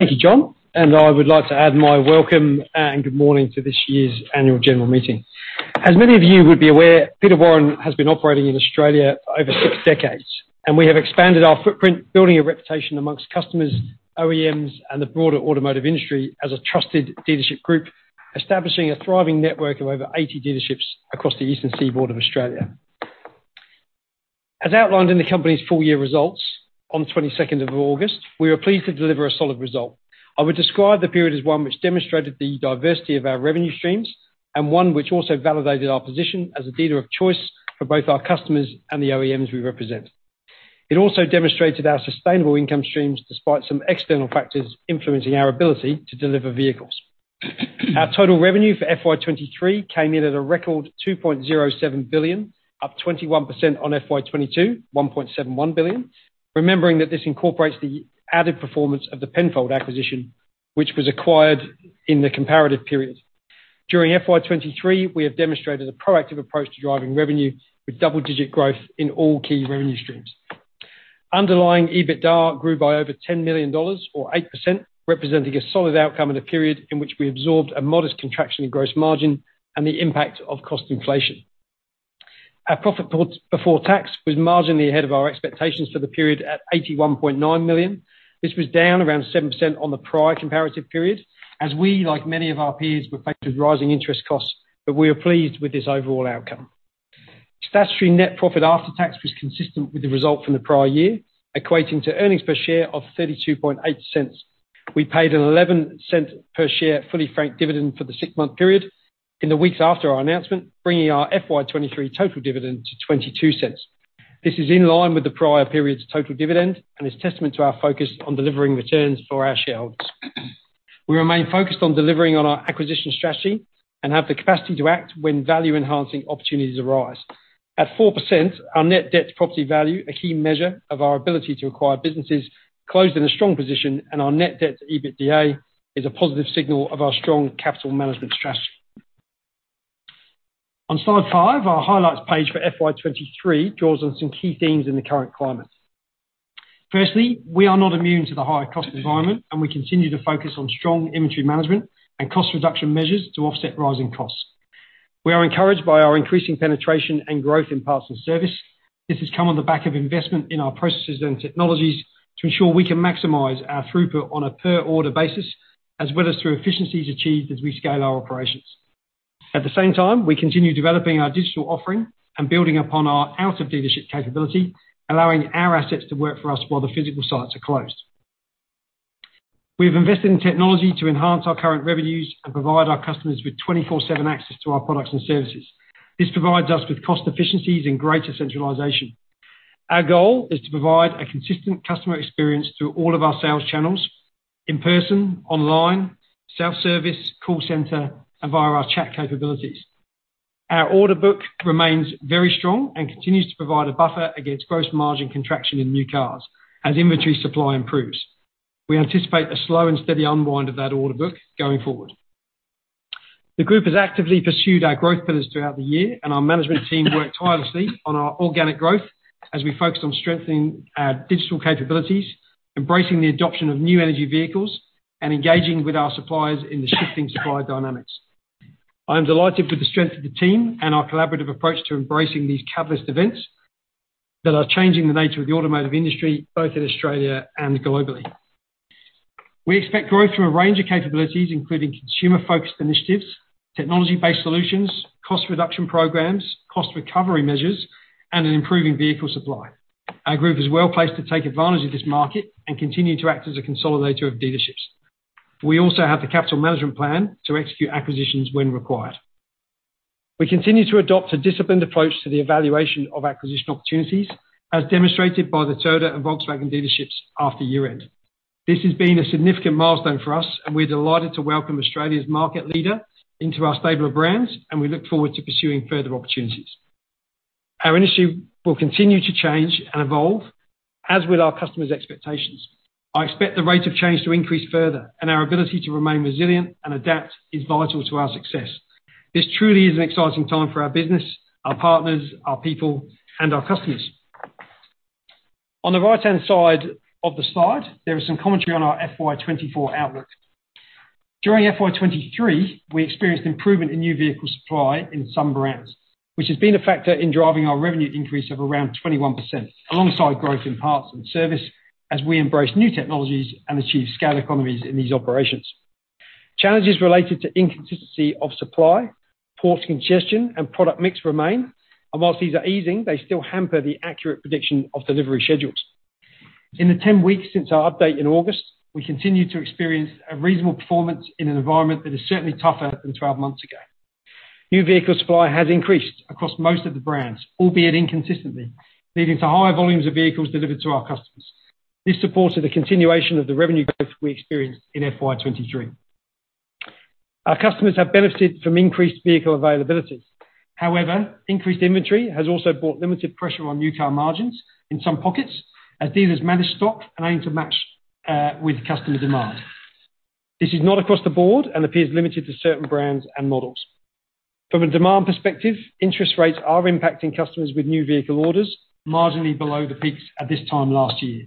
Thank you, John, and I would like to add my welcome, and good morning to this year's Annual General Meeting. As many of you would be aware, Peter Warren has been operating in Australia for over six decades, and we have expanded our footprint, building a reputation among customers, OEMs, and the broader automotive industry as a trusted dealership group, establishing a thriving network of over 80 dealerships across the eastern seaboard of Australia. As outlined in the company's full year results on 22nd of August, we were pleased to deliver a solid result. I would describe the period as one which demonstrated the diversity of our revenue streams, and one which also validated our position as a dealer of choice for both our customers and the OEMs we represent. It also demonstrated our sustainable income streams, despite some external factors influencing our ability to deliver vehicles. Our total revenue for FY 2023 came in at a record 2.07 billion, up 21% on FY 2022, 1.71 billion. Remembering that this incorporates the added performance of the Penfold acquisition, which was acquired in the comparative period. During FY 2023, we have demonstrated a proactive approach to driving revenue with double-digit growth in all key revenue streams. Underlying EBITDA grew by over 10 million dollars, or 8%, representing a solid outcome in a period in which we absorbed a modest contraction in gross margin and the impact of cost inflation. Our profit before tax was marginally ahead of our expectations for the period at 81.9 million. This was down around 7% on the prior comparative period, as we, like many of our peers, were faced with rising interest costs, but we are pleased with this overall outcome. Statutory net profit after tax was consistent with the result from the prior year, equating to earnings per share of 0.328. We paid an 0.11 per share, fully franked dividend for the six-month period in the weeks after our announcement, bringing our FY 2023 total dividend to 0.22. This is in line with the prior period's total dividend and is testament to our focus on delivering returns for our shareholders. We remain focused on delivering on our acquisition strategy and have the capacity to act when value-enhancing opportunities arise. At 4%, our net debt to property value, a key measure of our ability to acquire businesses, closed in a strong position, and our net debt to EBITDA is a positive signal of our strong capital management strategy. On slide five, our highlights page for FY 2023 draws on some key themes in the current climate. Firstly, we are not immune to the higher cost environment, and we continue to focus on strong inventory management and cost reduction measures to offset rising costs. We are encouraged by our increasing penetration and growth in parts and service. This has come on the back of investment in our processes and technologies to ensure we can maximize our throughput on a per-order basis, as well as through efficiencies achieved as we scale our operations. At the same time, we continue developing our digital offering and building upon our out-of-dealership capability, allowing our assets to work for us while the physical sites are closed. We have invested in technology to enhance our current revenues and provide our customers with 24/7 access to our products and services. This provides us with cost efficiencies and greater centralization. Our goal is to provide a consistent customer experience through all of our sales channels: in person, online, self-service, call center, and via our chat capabilities. Our order book remains very strong and continues to provide a buffer against gross margin contraction in new cars as inventory supply improves. We anticipate a slow and steady unwind of that order book going forward. The group has actively pursued our growth pillars throughout the year, and our management team worked tirelessly on our organic growth as we focused on strengthening our digital capabilities, embracing the adoption of New Energy Vehicles, and engaging with our suppliers in the shifting supply dynamics. I am delighted with the strength of the team and our collaborative approach to embracing these catalyst events that are changing the nature of the automotive industry, both in Australia and globally. We expect growth from a range of capabilities, including consumer-focused initiatives, technology-based solutions, cost reduction programs, cost recovery measures, and an improving vehicle supply. Our group is well placed to take advantage of this market and continue to act as a consolidator of dealerships. We also have the capital management plan to execute acquisitions when required. We continue to adopt a disciplined approach to the evaluation of acquisition opportunities, as demonstrated by the Toyota and Volkswagen dealerships after year-end. This has been a significant milestone for us, and we're delighted to welcome Australia's market leader into our stable of brands, and we look forward to pursuing further opportunities. Our industry will continue to change and evolve, as will our customers' expectations. I expect the rate of change to increase further, and our ability to remain resilient and adapt is vital to our success. This truly is an exciting time for our business, our partners, our people, and our customers. On the right-hand side of the slide, there is some commentary on our FY 2024 outlook. During FY 2023, we experienced improvement in new vehicle supply in some brands, which has been a factor in driving our revenue increase of around 21%, alongside growth in parts and service, as we embrace new technologies and achieve scale economies in these operations. Challenges related to inconsistency of supply, port congestion, and product mix remain, and while these are easing, they still hamper the accurate prediction of delivery schedules. In the 10 weeks since our update in August, we continued to experience a reasonable performance in an environment that is certainly tougher than 12 months ago. New vehicle supply has increased across most of the brands, albeit inconsistently, leading to higher volumes of vehicles delivered to our customers. This supported the continuation of the revenue growth we experienced in FY 2023. Our customers have benefited from increased vehicle availability. However, increased inventory has also brought limited pressure on new car margins in some pockets as dealers manage stock and aim to match with customer demand. This is not across the board and appears limited to certain brands and models… From a demand perspective, interest rates are impacting customers with new vehicle orders, marginally below the peaks at this time last year.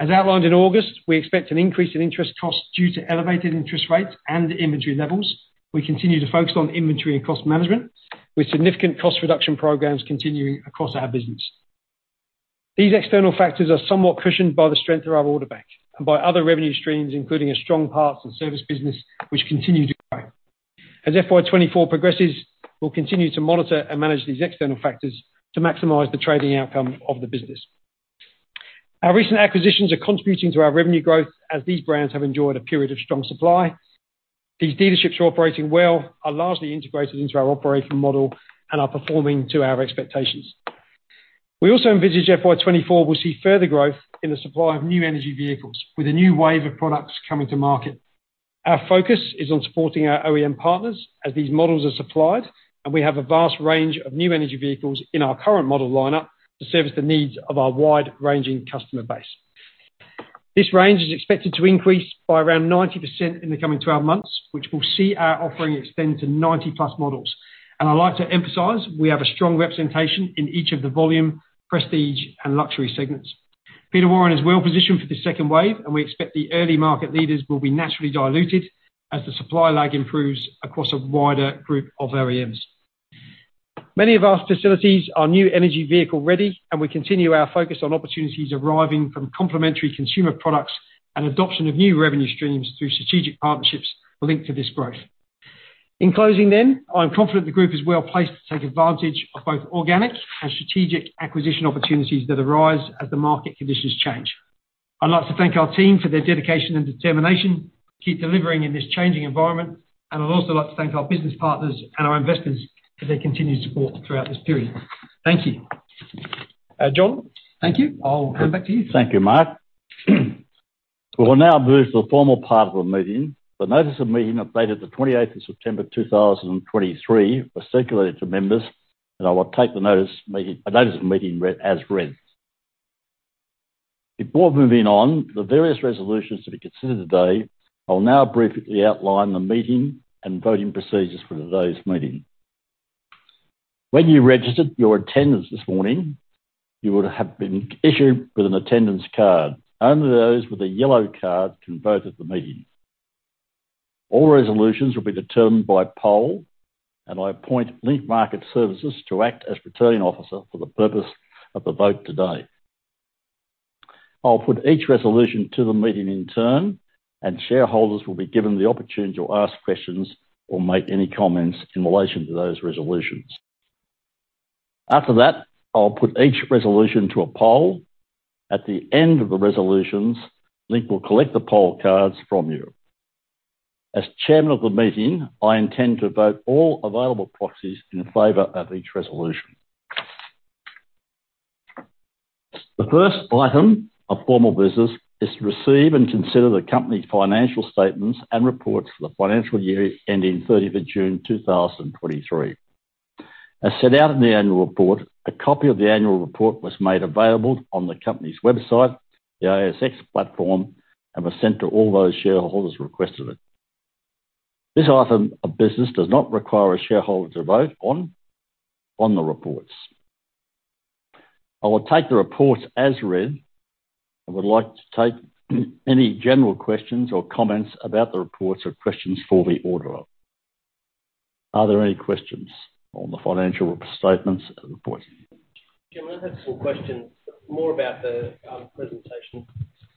As outlined in August, we expect an increase in interest costs due to elevated interest rates and inventory levels. We continue to focus on inventory and cost management, with significant cost reduction programs continuing across our business. These external factors are somewhat cushioned by the strength of our order bank and by other revenue streams, including a strong parts and service business, which continue to grow. As FY 2024 progresses, we'll continue to monitor and manage these external factors to maximize the trading outcome of the business. Our recent acquisitions are contributing to our revenue growth as these brands have enjoyed a period of strong supply. These dealerships are operating well, are largely integrated into our operating model, and are performing to our expectations. We also envisage FY 2024 will see further growth in the supply of New Energy Vehicles, with a new wave of products coming to market. Our focus is on supporting our OEM partners as these models are supplied, and we have a vast range of New Energy Vehicles in our current model lineup to service the needs of our wide-ranging customer base. This range is expected to increase by around 90% in the coming 12 months, which will see our offering extend to 90+ models. I'd like to emphasize, we have a strong representation in each of the volume, prestige, and luxury segments. Peter Warren is well-positioned for the second wave, and we expect the early market leaders will be naturally diluted as the supply lag improves across a wider group of OEMs. Many of our facilities are New Energy Vehicle-ready, and we continue our focus on opportunities arriving from complementary consumer products and adoption of new revenue streams through strategic partnerships linked to this growth. In closing then, I'm confident the group is well-placed to take advantage of both organic and strategic acquisition opportunities that arise as the market conditions change. I'd like to thank our team for their dedication and determination to keep delivering in this changing environment, and I'd also like to thank our business partners and our investors for their continued support throughout this period. Thank you. John? Thank you. I'll hand back to you. Thank you, Mark. We will now move to the formal part of the meeting. The notice of meeting, updated the 28th of September 2023, was circulated to members, and I will take the notice of meeting read as read. Before moving on, the various resolutions to be considered today, I will now briefly outline the meeting and voting procedures for today's meeting. When you registered your attendance this morning, you would have been issued with an attendance card. Only those with a yellow card can vote at the meeting. All resolutions will be determined by poll, and I appoint Link Market Services to act as returning officer for the purpose of the vote today. I'll put each resolution to the meeting in turn, and shareholders will be given the opportunity to ask questions or make any comments in relation to those resolutions. After that, I'll put each resolution to a poll. At the end of the resolutions, Link will collect the poll cards from you. As Chairman of the meeting, I intend to vote all available proxies in favor of each resolution. The first item of formal business is to receive and consider the company's financial statements and reports for the financial year ending 30th of June 2023. As set out in the annual report, a copy of the annual report was made available on the company's website, the ASX platform, and was sent to all those shareholders who requested it. This iIem of business does not require a shareholder to vote on the reports. I will take the reports as read. I would like to take any general questions or comments about the reports or questions for the auditor. Are there any questions on the financial statements at this point? Jim, I have some questions, more about the presentation.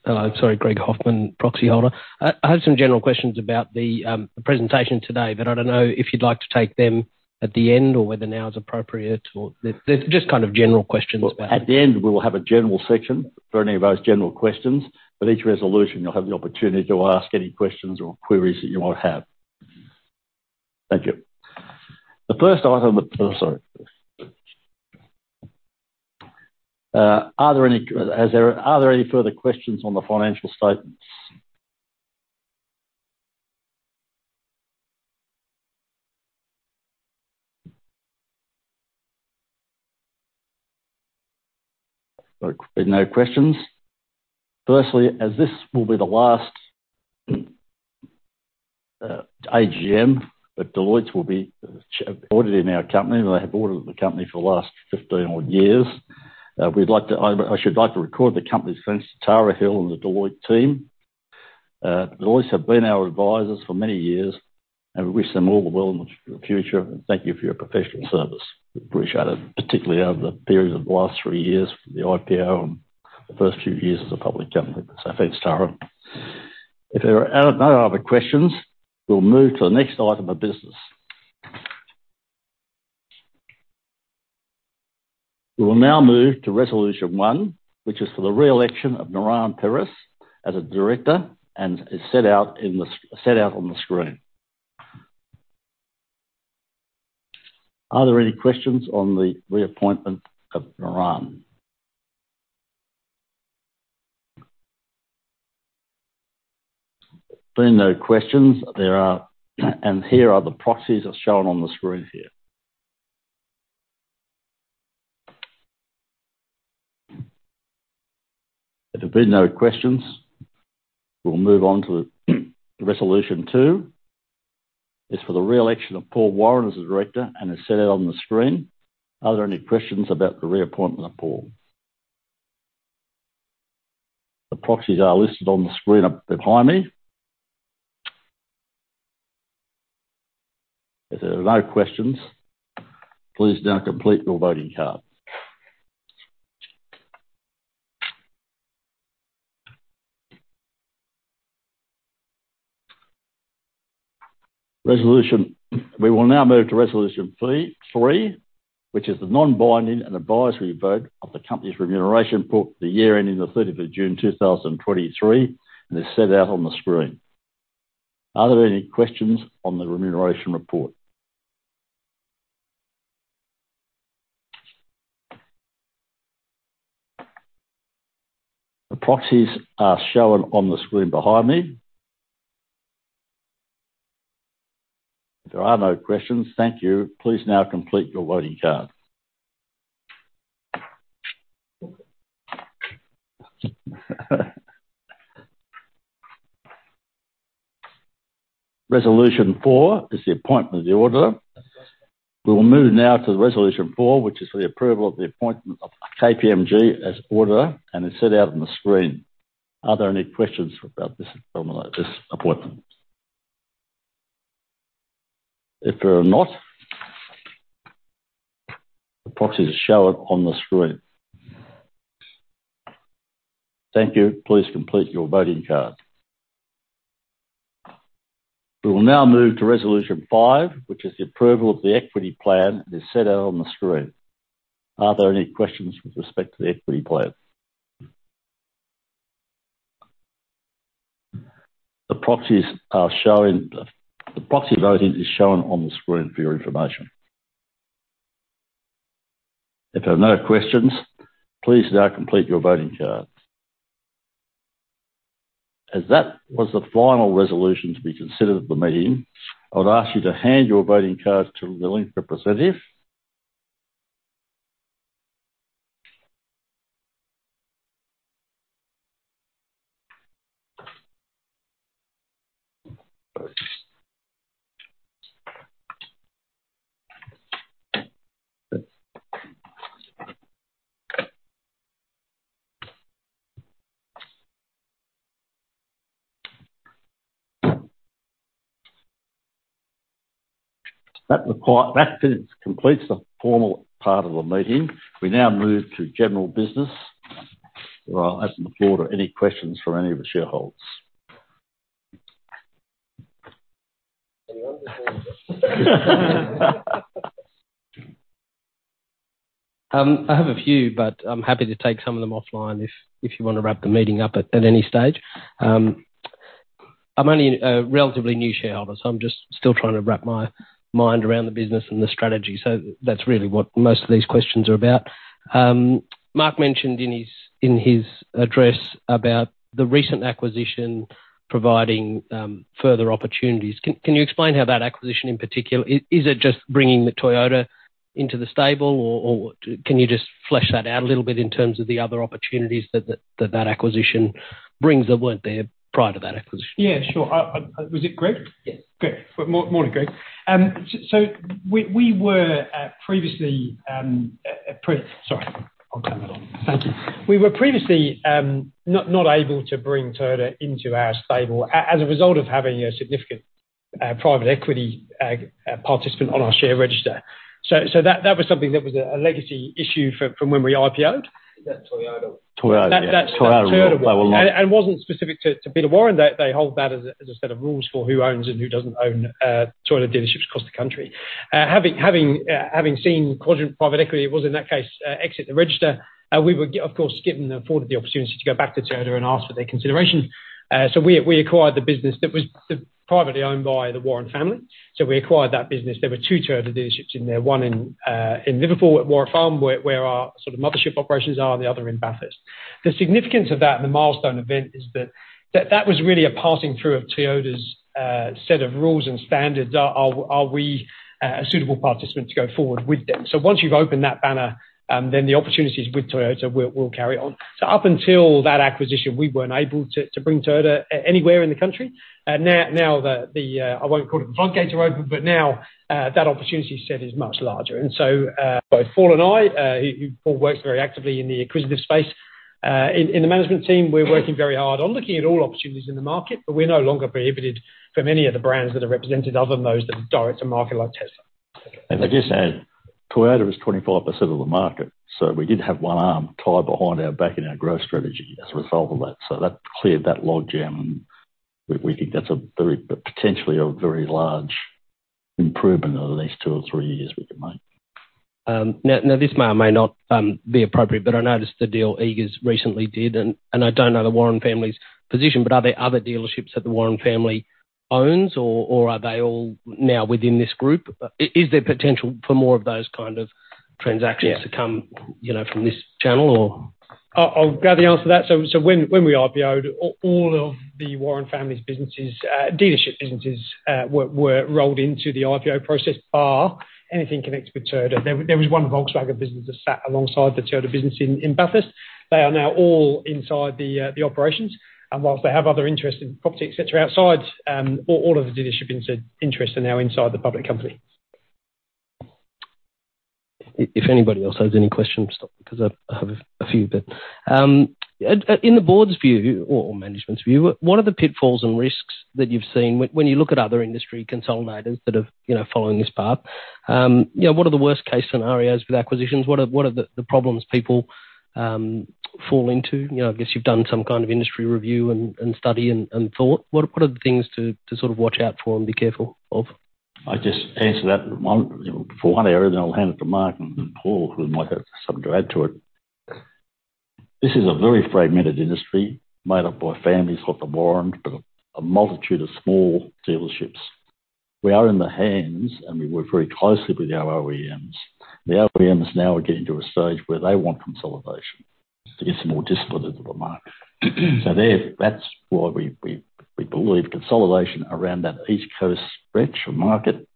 Sorry, Greg Hoffman, proxy holder. I have some general questions about the presentation today, but I don't know if you'd like to take them at the end or whether now is appropriate, or... They're just kind of general questions about- At the end, we will have a general section for any of those general questions, but each resolution, you'll have the opportunity to ask any questions or queries that you might have. Thank you. The first item. Sorry. Are there any further questions on the financial statements? There are no questions. Firstly, as this will be the last AGM that Deloitte will be auditing our company, they have audited the company for the last 15 odd years. We'd like to, I should like to record the company's thanks to Tara Hill and the Deloitte team. Deloitte have been our advisors for many years, and we wish them all the best in the future and thank you for your professional service. We appreciate it, particularly over the period of the last three years, the IPO and the first few years as a public company. So thanks, Tara. If there are no other questions, we'll move to the next item of business. We will now move to Resolution 1, which is for the re-election of Niran Peiris as a director and is set out on the screen. Are there any questions on the reappointment of Niran? Being no questions, there are, and here are the proxies as shown on the screen here. If there's no questions, we'll move on to Resolution 2. Is for the re-election of Paul Warren as a director and is set out on the screen. Are there any questions about the reappointment of Paul? The proxies are listed on the screen up behind me. If there are no questions, please now complete your voting card. Resolution. We will now move to Resolution 3, which is the non-binding and advisory vote of the company's remuneration for the year ending 30 June 2023, and is set out on the screen. Are there any questions on the remuneration report? The proxies are shown on the screen behind me. If there are no questions, thank you. Please now complete your voting card. Resolution 4 is the appointment of the auditor. We will move now to Resolution 4, which is for the approval of the appointment of KPMG as auditor, and is set out on the screen. Are there any questions about this appointment? If there are not, the proxies are shown on the screen. Thank you. Please complete your voting card. We will now move to Resolution 5, which is the approval of the equity plan, is set out on the screen. Are there any questions with respect to the equity plan? The proxies are showing... The proxy voting is shown on the screen for your information. If there are no questions, please now complete your voting card. As that was the final resolution to be considered at the meeting, I would ask you to hand your voting cards to the Link representative. That completes the formal part of the meeting. We now move to general business, where I'll open the floor to any questions from any of the shareholders. I have a few, but I'm happy to take some of them offline if you want to wrap the meeting up at any stage. I'm only a relatively new shareholder, so I'm just still trying to wrap my mind around the business and the strategy. So that's really what most of these questions are about. Mark mentioned in his address about the recent acquisition providing further opportunities. Can you explain how that acquisition, in particular, is it just bringing the Toyota into the stable, or can you just flesh that out a little bit in terms of the other opportunities that acquisition brings that weren't there prior to that acquisition? Yeah, sure. Was it Greg? Yes. Great. Morning, Greg. Sorry, I'll turn that on. Thank you. We were previously not able to bring Toyota into our stable as a result of having a significant private equity participant on our share register. So that was something that was a legacy issue from when we IPO'd. Is that Toyota? Toyota, yeah. That's, that's Toyota. Toyota. It wasn't specific to Bill Warren. They hold that as a set of rules for who owns and who doesn't own Toyota dealerships across the country. Having seen Quadrant Private Equity exit the register, we were, of course, given the afforded the opportunity to go back to Toyota and ask for their consideration. So we acquired the business that was privately owned by the Warren family. So we acquired that business. There were two Toyota dealerships in there, one in Liverpool at Warwick Farm, where our sort of mothership operations are, and the other in Bathurst. The significance of that, the milestone event, is that that was really a passing through of Toyota's set of rules and standards. Are we a suitable participant to go forward with them? So once you've opened that banner, then the opportunities with Toyota will carry on. So up until that acquisition, we weren't able to bring Toyota anywhere in the country. Now that the front gate are open, but now that opportunity set is much larger. And so both Paul and I who both works very actively in the acquisitive space in the management team, we're working very hard on looking at all opportunities in the market, but we're no longer prohibited from any of the brands that are represented other than those that are direct to market like Tesla. I just add, Toyota is 25% of the market, so we did have one arm tied behind our back in our growth strategy as a result of that. So that cleared that log jam, and we think that's a very, potentially a very large improvement over the next two or three years we can make. Now, this may or may not be appropriate, but I noticed the deal Eagers recently did, and I don't know the Warren family's position, but are there other dealerships that the Warren family owns, or are they all now within this group? Is there potential for more of those kind of transactions- Yeah - to come, you know, from this channel or? I'll be able to answer that. So when we IPO'd, all of the Warren family's businesses, dealership businesses, were rolled into the IPO process, anything connected with Toyota. There was one Volkswagen business that sat alongside the Toyota business in Bathurst. They are now all inside the operations, and whilst they have other interests in property, et cetera, outside, all of the dealership interests are now inside the public company. If anybody else has any questions, I'll stop, because I have a few, but, in the board's view or management's view, what are the pitfalls and risks that you've seen when you look at other industry consolidators that are, you know, following this path? You know, what are the worst-case scenarios with acquisitions? What are the problems people fall into? You know, I guess you've done some kind of industry review and study and thought. What are the things to sort of watch out for and be careful of? I'll just answer that one for one area, then I'll hand it to Mark and Paul, who might have something to add to it. This is a very fragmented industry made up by families, not the Warren, but a multitude of small dealerships. We are in the hands, and we work very closely with our OEMs. The OEMs now are getting to a stage where they want consolidation to get some more discipline into the market. So there, that's why we believe consolidation around that East Coast stretch of market,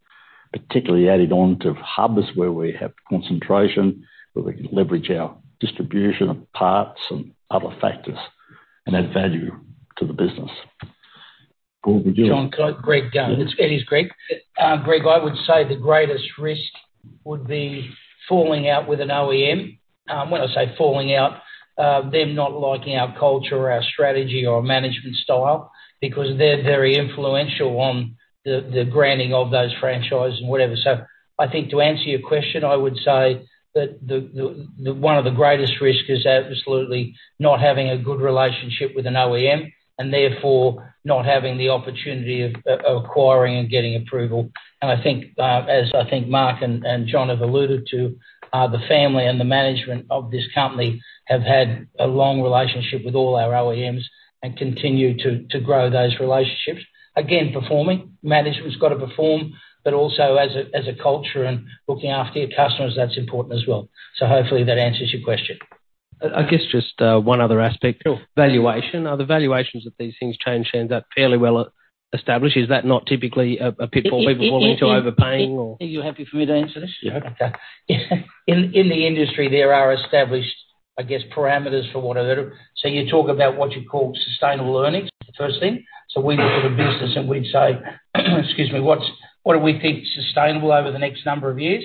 particularly adding on to hubs where we have concentration, where we can leverage our distribution of parts and other factors and add value to the business. Paul, would you? John, can I? Greg, it's, Greg. Greg, I would say the greatest risk would be falling out with an OEM. When I say falling out, them not liking our culture, our strategy, or management style, because they're very influential on the granting of those franchises and whatever. So I think to answer your question, I would say that the one of the greatest risk is absolutely not having a good relationship with an OEM, and therefore not having the opportunity of acquiring and getting approval. And I think, as I think Mark and John have alluded to, the family and the management of this company have had a long relationship with all our OEMs and continue to grow those relationships. Again, performing, management's got to perform, but also as a, as a culture and looking after your customers, that's important as well. So hopefully that answers your question. I guess just one other aspect. Sure. Valuation. Are the valuations of these things change end up fairly well established? Is that not typically a pitfall people fall into overpaying or? Are you happy for me to answer this? Yeah. Okay. In the industry, there are established, I guess, parameters for what are the... So you talk about what you call sustainable earnings, the first thing. So we look at a business and we'd say, excuse me, what do we think sustainable over the next number of years?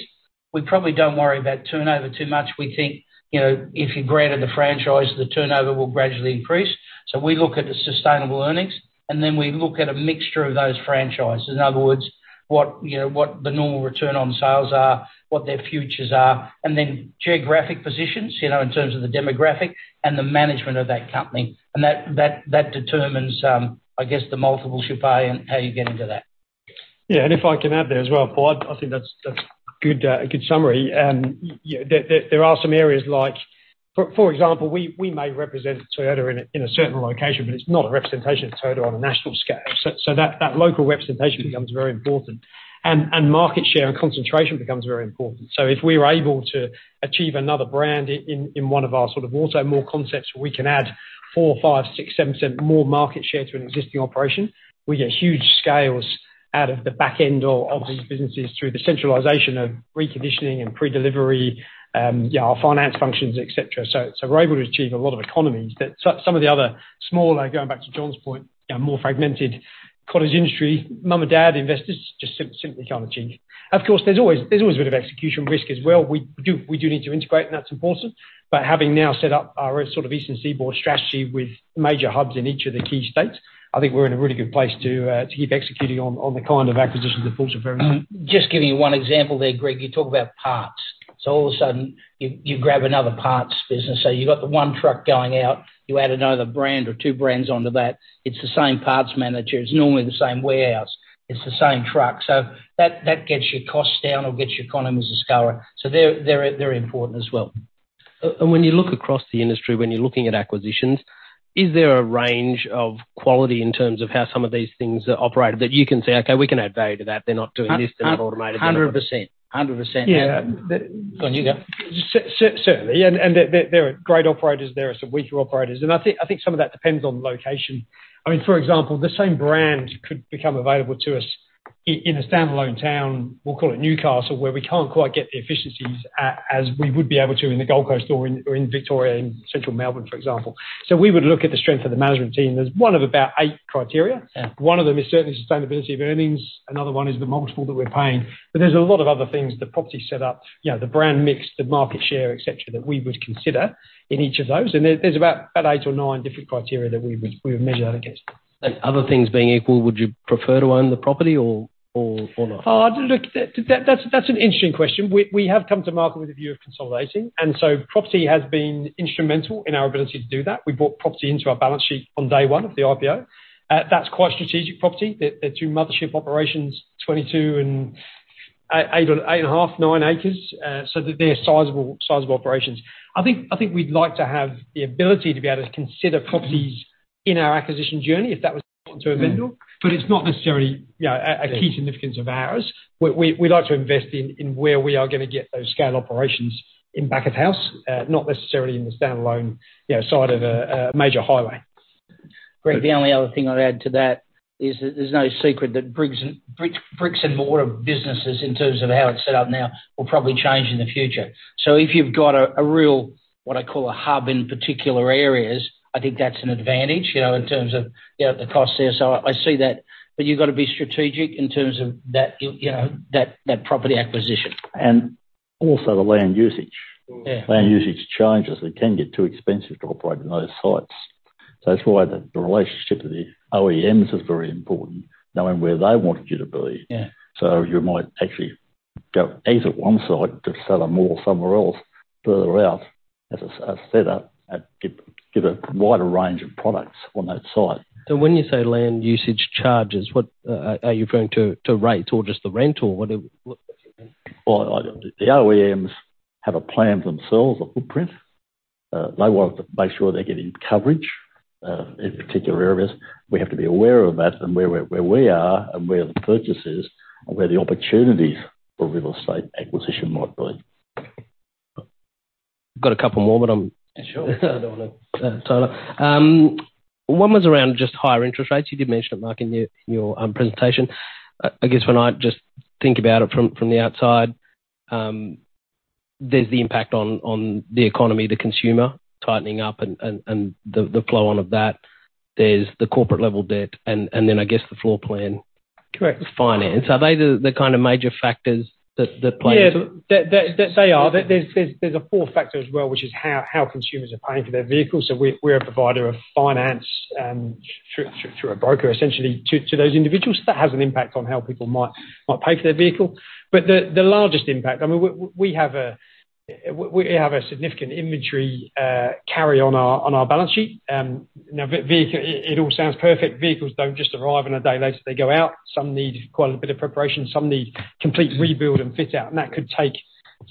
We probably don't worry about turnover too much. We think, you know, if you're granted the franchise, the turnover will gradually increase. So we look at the sustainable earnings, and then we look at a mixture of those franchises. In other words, what, you know, what the normal return on sales are, what their futures are, and then geographic positions, you know, in terms of the demographic and the management of that company. And that determines, I guess, the multiple you pay and how you get into that. Yeah, and if I can add there as well, Paul, I think that's, that's good, a good summary. Yeah, there are some areas like, for example, we may represent Toyota in a certain location, but it's not a representation of Toyota on a national scale. So that local representation becomes very important and market share and concentration becomes very important. So if we're able to achieve another brand in one of our sort of automotive concepts, we can add 4%, 5%, 6%, 7% more market share to an existing operation. We get huge scales out of the back end of these businesses through the centralization of reconditioning and predelivery, yeah, our finance functions, et cetera. So we're able to achieve a lot of economies that some of the other smaller, going back to John's point, more fragmented cottage industry, mum and dad investors just simply can't achieve. Of course, there's always, there's always a bit of execution risk as well. We do need to integrate, and that's important. But having now set up our sort of eastern seaboard strategy with major hubs in each of the key states, I think we're in a really good place to keep executing on the kind of acquisitions that Paul's referring to. Just giving you one example there, Greg, you talk about parts. So all of a sudden, you grab another parts business. So you've got the one truck going out, you add another brand or two brands onto that. It's the same parts manager, it's normally the same warehouse, it's the same truck. So that gets your costs down or gets your economies of scale. So they're important as well. When you look across the industry, when you're looking at acquisitions, is there a range of quality in terms of how some of these things are operated, that you can say, "Okay, we can add value to that. They're not doing this, they're not automated? 100%. 100%. Yeah. Go on, you go. Certainly, and there are great operators, there are some weaker operators, and I think some of that depends on location. I mean, for example, the same brand could become available to us in a standalone town, we'll call it Newcastle, where we can't quite get the efficiencies as we would be able to in the Gold Coast or in Victoria, in central Melbourne, for example. So we would look at the strength of the management team. There's one of about eight criteria. Yeah. One of them is certainly sustainability of earnings, another one is the multiple that we're paying. But there's a lot of other things, the property set up, you know, the brand mix, the market share, et cetera, that we would consider in each of those. And there's about eight or nine different criteria that we would measure that against. Other things being equal, would you prefer to own the property or not? Look, that's an interesting question. We have come to market with a view of consolidating, and so property has been instrumental in our ability to do that. We brought property into our balance sheet on day one of the IPO. That's quite strategic property. The two mothership operations, 22 acres and 8 acres, 8.5 acres, 9 acres, so they're sizable operations. I think we'd like to have the ability to be able to consider properties in our acquisition journey if that was important to a vendor, but it's not necessarily, you know, a key significance of ours. We like to invest in where we are gonna get those scale operations in back of house, not necessarily in the standalone, you know, side of a major highway. Greg, the only other thing I'd add to that is that there's no secret that bricks and mortar businesses, in terms of how it's set up now, will probably change in the future. So if you've got a real, what I call a hub in particular areas, I think that's an advantage, you know, in terms of, you know, the costs there. So I see that, but you've got to be strategic in terms of that, you know, that property acquisition. Also the land usage. Yeah. Land usage charges, it can get too expensive to operate in those sites. So that's why the relationship with the OEMs is very important, knowing where they want you to be. Yeah. So you might actually go easy at one site to sell them more somewhere else, further out as a setup and give a wider range of products on that site. So when you say land usage charges, what are you referring to, to rates or just the rent, or what it, what...? Well, the OEMs have a plan themselves, a footprint. They want to make sure they're getting coverage in particular areas. We have to be aware of that and where we are and where the purchase is, and where the opportunities for real estate acquisition might be. Got a couple more, but I'm- Sure. I don't want to tie it up. One was around just higher interest rates. You did mention it, Mark, in your presentation. I guess when I just think about it from the outside, there's the impact on the economy, the consumer tightening up and the flow on of that. There's the corporate level debt, and then I guess the floor plan- Correct. -finance. Are they the kind of major factors that play into it? Yeah. They are. There's a fourth factor as well, which is how consumers are paying for their vehicles. So we're a provider of finance through a broker, essentially, to those individuals. That has an impact on how people might pay for their vehicle. But the largest impact... I mean, we have a significant inventory carry on our balance sheet. Now, vehicle, it all sounds perfect. Vehicles don't just arrive and a day later, they go out. Some need quite a bit of preparation, some need complete rebuild and fit out, and that could take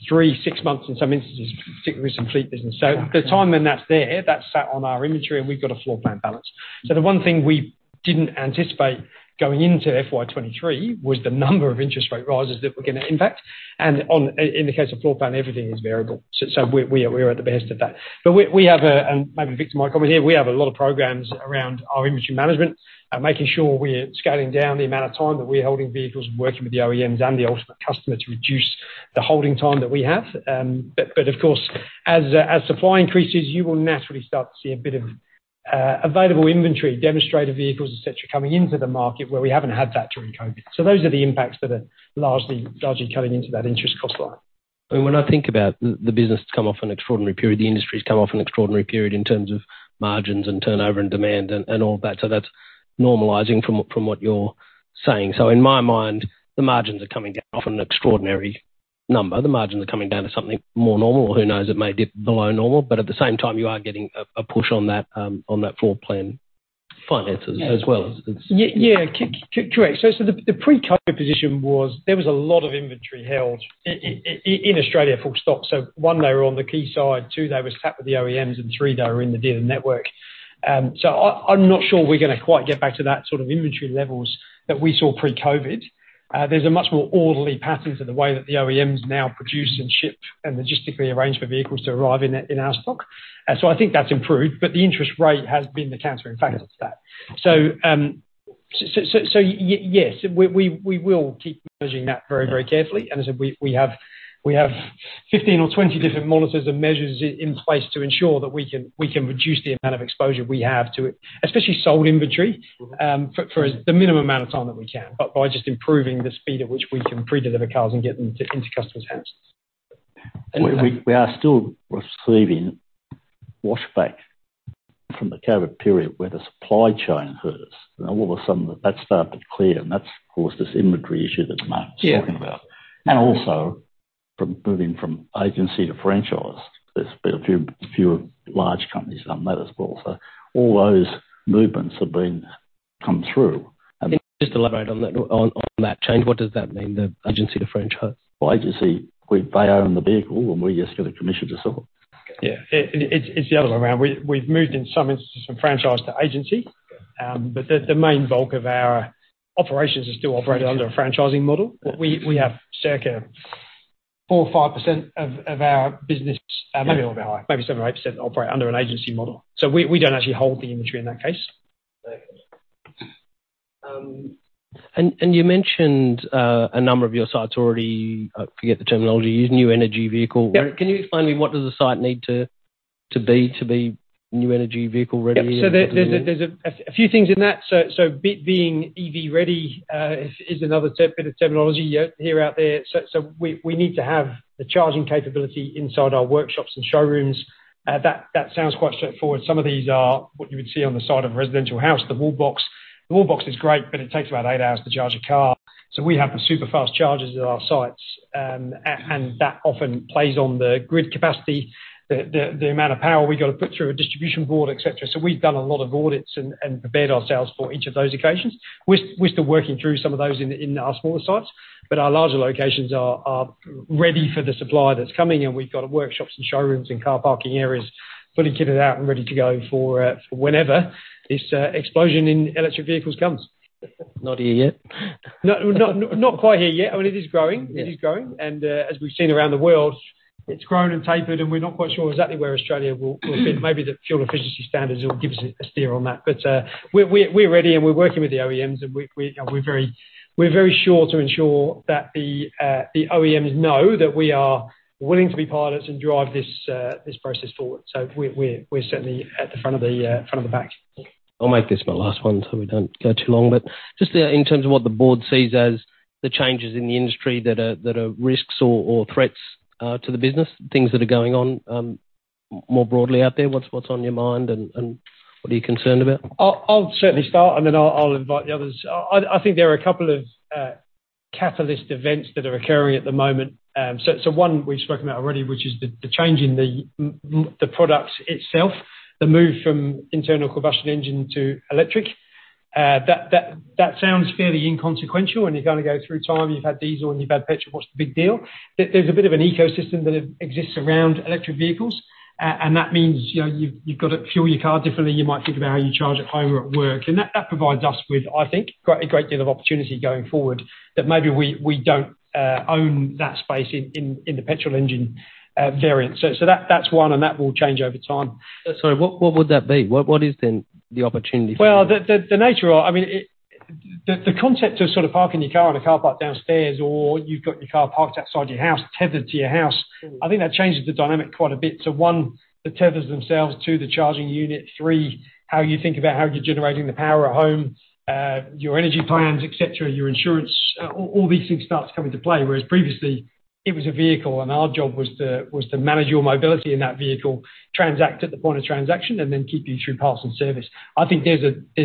three, six months in some instances, particularly some fleet business. Yeah. So the time when that's there, that's sat on our inventory, and we've got a floor plan balance. So the one thing we didn't anticipate going into FY 2023 was the number of interest rate rises that were going to impact. And on, in the case of floor plan, everything is variable. So we are at the behest of that. But we have a, and maybe Victor might come in here, we have a lot of programs around our inventory management and making sure we're scaling down the amount of time that we're holding vehicles and working with the OEMs customer to reduce the holding time that we have. But of course, as supply increases, you will naturally start to see a bit of available inventory, demonstrator vehicles, et cetera, coming into the market where we haven't had that during COVID. So those are the impacts that are largely cutting into that interest cost line. When I think about the business, it has come off an extraordinary period. The industry's come off an extraordinary period in terms of margins and turnover and demand and all that. So that's normalizing from what you're saying. So in my mind, the margins are coming down off an extraordinary number. The margins are coming down to something more normal. Who knows, it may dip below normal, but at the same time, you are getting a push on that floor plan finance- Yeah -as well as, as- Yeah, correct. So, the pre-COVID position was there was a lot of inventory held in Australia, full stock. So one, they were on the key side, two, they were sat with the OEMs, and three, they were in the dealer network. So, I'm not sure we're gonna quite get back to that sort of inventory levels that we saw pre-COVID. There's a much more orderly pattern to the way that the OEMs now produce and ship and logistically arrange for vehicles to arrive in our stock. And so I think that's improved, but the interest rate has been the counter effect of that. So, yes, we will keep measuring that very, very carefully. As I said, we have 15 or 20 different monitors and measures in place to ensure that we can reduce the amount of exposure we have to it, especially sold inventory, for the minimum amount of time that we can, but by just improving the speed at which we can pre-deliver cars and get them to into customers' hands. We are still receiving backwash from the COVID period where the supply chain hurts. All of a sudden, that started to clear, and that's caused this inventory issue that Mark- Yeah is talking about. And also, from moving from agency to franchise, there's been a few large companies doing that as well. So all those movements have been... come through. Just elaborate on that, on that change. What does that mean, the agency to franchise? Well, agency, they own the vehicle, and we just get a commission to sell it. Yeah. It's the other way around. We've moved in some instances from franchise to agency. But the main bulk of our operations are still operated under a franchising model. We have circa 4% or 5% of our business, maybe a little bit higher, maybe 7% or 8%, operate under an agency model. So we don't actually hold the inventory in that case. And you mentioned a number of your sites already. I forget the terminology, New Energy Vehicle. Yeah. Can you explain to me, what does the site need to be New Energy Vehicle-ready? Yeah. So there's a few things in that. So being EV-ready is another bit of terminology you hear out there. So we need to have the charging capability inside our workshops and showrooms. That sounds quite straightforward. Some of these are what you would see on the side of a residential house, the wall box. The wall box is great, but it takes about eight hours to charge a car. So we have the super-fast chargers at our sites, and that often plays on the grid capacity, the amount of power we got to put through a distribution board, et cetera. So we've done a lot of audits and prepared ourselves for each of those occasions. We're still working through some of those in our smaller sites, but our larger locations are ready for the supply that's coming, and we've got workshops and showrooms and car parking areas fully kitted out and ready to go for whenever this explosion in electric vehicles comes. Not here yet. No, not, not quite here yet. I mean, it is growing, it is growing. And, as we've seen around the world, it's grown and tapered, and we're not quite sure exactly where Australia will fit. Maybe the fuel efficiency standards will give us a steer on that. But, we're ready, and we're working with the OEMs, and you know, we're very, we're very sure to ensure that the OEMs know that we are willing to be pilots and drive this process forward. So we're certainly at the front of the front of the pack. I'll make this my last one, so we don't go too long. But just in terms of what the board sees as the changes in the industry that are, that are risks or, or threats to the business, things that are going on more broadly out there, what's, what's on your mind and, and what are you concerned about? I'll certainly start, and then I'll invite the others. I think there are a couple of catalyst events that are occurring at the moment. So one we've spoken about already, which is the change in the mix, the product itself, the move from internal combustion engine to electric. That sounds fairly inconsequential, and you're gonna go through time, you've had diesel and you've had petrol. What's the big deal? There's a bit of an ecosystem that exists around electric vehicles. And that means, you know, you've got to fuel your car differently. You might think about how you charge at home or at work. And that provides us with, I think, quite a great deal of opportunity going forward, that maybe we don't own that space in the petrol engine variant. So, that's one, and that will change over time. Sorry, what, what would that be? What, what is then the opportunity? Well, the nature of... I mean, the concept of sort of parking your car in a car park downstairs, or you've got your car parked outside your house, tethered to your house, I think that changes the dynamic quite a bit to, one, the tethers themselves, two, the charging unit, three, how you think about how you're generating the power at home, your energy plans, et cetera, your insurance. All these things start coming to play, whereas previously it was a vehicle, and our job was to manage your mobility in that vehicle, transact at the point of transaction, and then keep you through parts and service. I think there's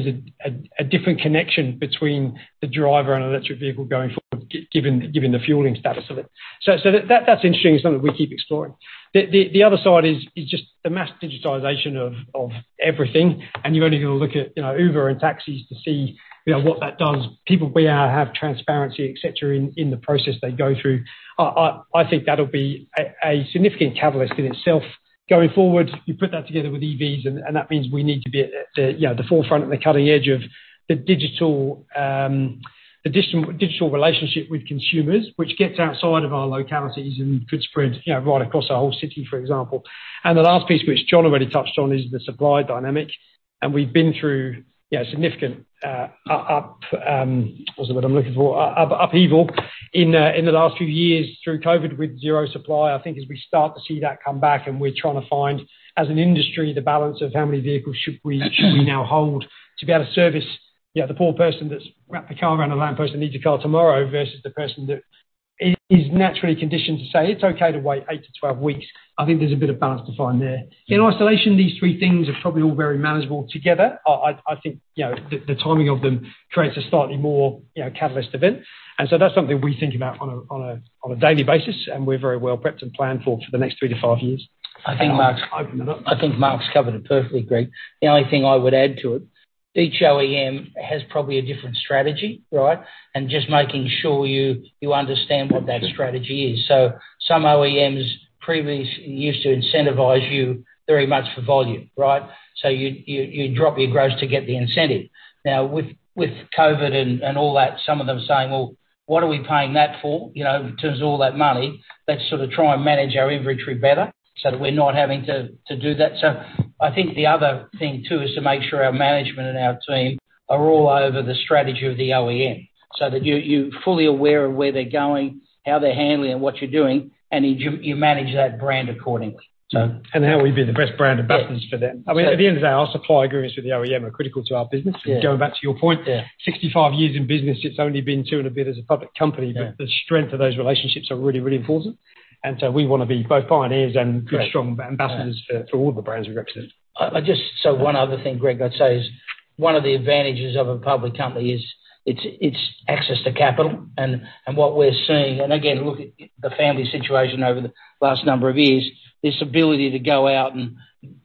a different connection between the driver and electric vehicle going forward, given the fueling status of it. So that, that's interesting, something we keep exploring. The other side is just the mass digitization of everything, and you only need to look at, you know, Uber and taxis to see, you know, what that does. People we are have transparency, et cetera, in the process they go through. I think that'll be a significant catalyst in itself going forward. You put that together with EVs, and that means we need to be at the, you know, the forefront and the cutting edge of the digital additional digital relationship with consumers, which gets outside of our localities and could spread, you know, right across the whole city, for example. And the last piece, which John already touched on, is the supply dynamic, and we've been through, you know, significant up... What's the word I'm looking for? Upheaval in the last few years through COVID with zero supply. I think as we start to see that come back, and we're trying to find, as an industry, the balance of how many vehicles should we now hold to be able to service, you know, the poor person that's wrapped their car around a lamp post and needs a car tomorrow, versus the person that is naturally conditioned to say, "It's okay to wait eight to 12 weeks." I think there's a bit of balance to find there. In isolation, these three things are probably all very manageable together. I think, you know, the timing of them creates a slightly more, you know, catalyst event. And so that's something we think about on a daily basis, and we're very well prepared and planned for the next three to five years. I think Mark's... Open it up. I think Mark's covered it perfectly, Greg. The only thing I would add to it, each OEM has probably a different strategy, right? And just making sure you understand what that strategy is. So some OEMs previously used to incentivize you very much for volume, right? So you'd drop your gross to get the incentive. Now, with COVID and all that, some of them saying: Well, what are we paying that for? You know, in terms of all that money, let's sort of try and manage our inventory better so that we're not having to do that. So, I think the other thing, too, is to make sure our management and our team are all over the strategy of the OEM, so that you're, you're fully aware of where they're going, how they're handling, and what you're doing, and you, you manage that brand accordingly. So- How we've been the best brand ambassadors for them. Yeah. I mean, at the end of the day, our supply agreements with the OEM are critical to our business. Yeah. Going back to your point- Yeah 65 years in business, it's only been two and a bit as a public company. Yeah. But the strength of those relationships are really, really important, and so we wanna be both pioneers- Right and good, strong ambassadors Yeah - for all the brands we represent. So one other thing, Greg, I'd say is one of the advantages of a public company is, it's access to capital. And what we're seeing, and again, look at the family situation over the last number of years, this ability to go out and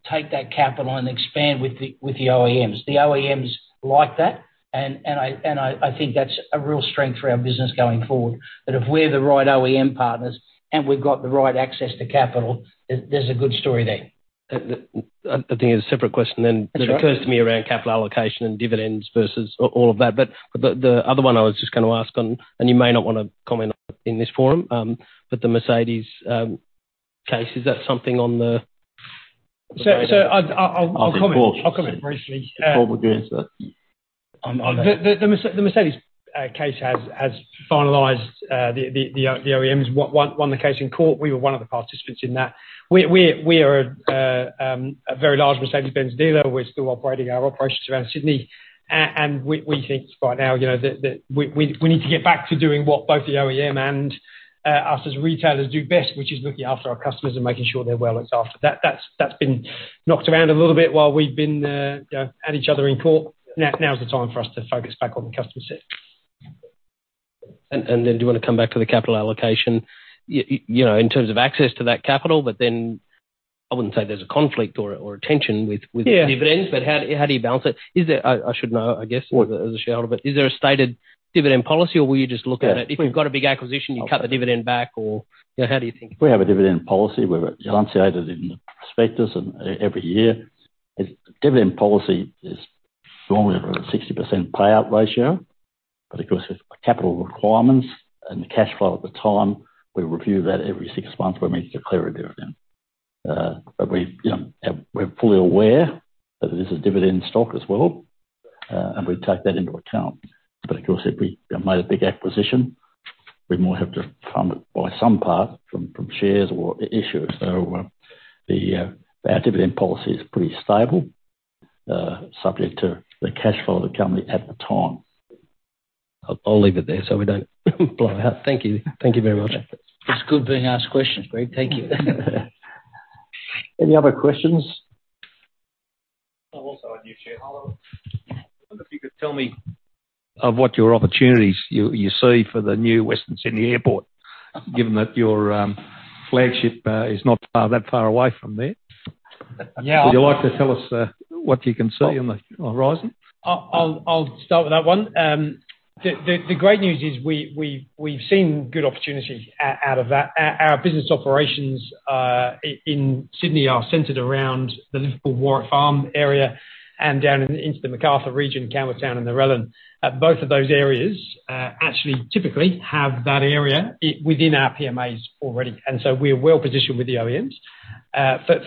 take that capital and expand with the OEMs. The OEMs like that, and I think that's a real strength for our business going forward. That if we're the right OEM partners, and we've got the right access to capital, there's a good story there. I think it's a separate question then. That's right - that occurs to me around capital allocation and dividends versus all, all of that. But the other one I was just gonna ask on, and you may not want to comment on in this forum, but the Mercedes case, is that something on the- So, I’ll comment- Of course. I'll comment briefly. Probably answer. On the Mercedes case has finalized, the OEMs won the case in court. We were one of the participants in that. We are a very large Mercedes-Benz dealer. We're still operating our operations around Sydney, and we think right now, you know, that we need to get back to doing what both the OEM and us as retailers do best, which is looking after our customers and making sure they're well looked after. That's been knocked around a little bit while we've been, you know, at each other in court. Now's the time for us to focus back on the customer set. And then, do you want to come back to the capital allocation? You know, in terms of access to that capital, but then I wouldn't say there's a conflict or a tension with- Yeah... with the dividends, but how do you balance it? Is there, I should know, I guess, as a shareholder, but is there a stated dividend policy, or will you just look at it? Yeah. If you've got a big acquisition, you cut the dividend back, or, you know, how do you think? We have a dividend policy. We've enunciated in the prospectus and every year. As dividend policy is normally around a 60% payout ratio, but of course, with capital requirements and the cash flow at the time, we review that every six months when we declare a dividend. But we, you know, we're fully aware that it is a dividend stock as well, and we take that into account. But of course, if we, you know, made a big acquisition, we might have to fund it by some part from shares or issues. So, our dividend policy is pretty stable, subject to the cash flow of the company at the time. I'll leave it there, so we don't blow out. Thank you. Thank you very much. It's good being asked questions, Greg. Thank you. Any other questions? I'm also a new shareholder. I wonder if you could tell me what opportunities you see for the new Western Sydney Airport, given that your flagship is not that far away from there? Yeah- Would you like to tell us what you can see on the horizon? I'll start with that one. The great news is we've seen good opportunities out of that. Our business operations in Sydney are centered around the Liverpool Warwick Farm area and down into the Macarthur region, Campbelltown, and Narellan. Both of those areas actually typically have that area within our PMAs already, and so we're well positioned with the OEMs.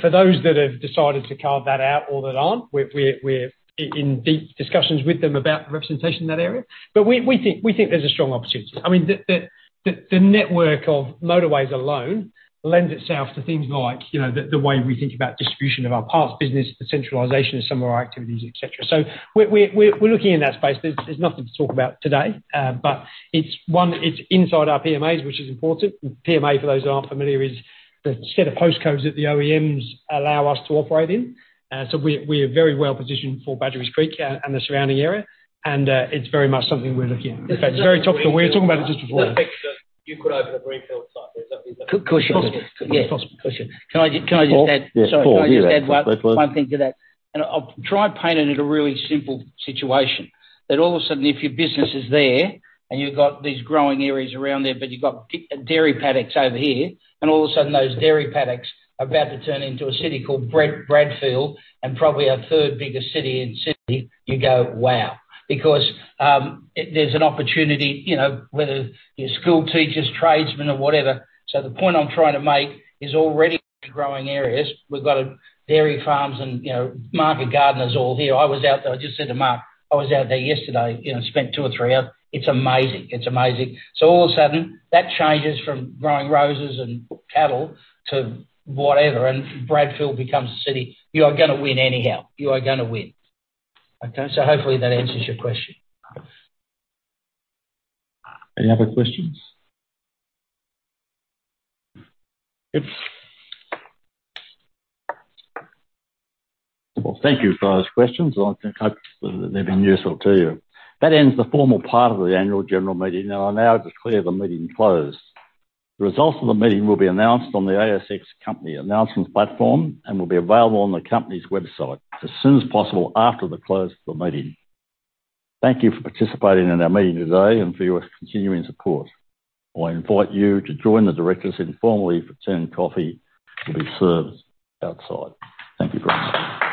For those that have decided to carve that out or that aren't, we're in deep discussions with them about representation in that area. But we think there's a strong opportunity. I mean, the network of motorways alone lends itself to things like, you know, the way we think about distribution of our parts business, the centralization of some of our activities, et cetera. So we're looking in that space. There's nothing to talk about today, but it's one, it's inside our PMAs, which is important. PMA, for those who aren't familiar, is the set of postcodes that the OEMs allow us to operate in. So we are very well positioned for Badgerys Creek and the surrounding area, and it's very much something we're looking at. In fact, it's very top of mind. We were talking about it just before. You could open a greenfield site there, something like that. Could, could- It's possible. Yeah. It's possible. Can I just add- Yeah, Paul. Sorry. Yeah, Paul. Can I just add one thing to that? I'll try painting it a really simple situation, that all of a sudden, if your business is there, and you've got these growing areas around there, but you've got dairy paddocks over here, and all of a sudden, those dairy paddocks are about to turn into a city called Bradfield, and probably our third biggest city in Sydney, you go, "Wow!" Because there's an opportunity, you know, whether you're school teachers, tradesmen, or whatever. So the point I'm trying to make is already growing areas. We've got dairy farms and, you know, market gardeners all here. I was out there. I just said to Mark, I was out there yesterday, you know, spent two or three hours. It's amazing. It's amazing. All of a sudden, that changes from growing roses and cattle to whatever, and Bradfield becomes a city. You are gonna win anyhow. You are gonna win. Okay, so hopefully that answers your question. Any other questions? Oops. Well, thank you for those questions. I think, I hope they've been useful to you. That ends the formal part of the Annual General Meeting, and I now declare the meeting closed. The results of the meeting will be announced on the ASX company announcements platform and will be available on the company's website as soon as possible after the close of the meeting. Thank you for participating in our meeting today and for your continuing support. I invite you to join the directors informally for tea, and coffee will be served outside. Thank you very much.